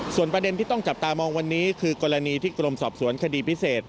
ส่วนประเด็นที่ต้องจับตามองวันนี้คือกรณีที่กรมสอบสวนคดีพิเศษ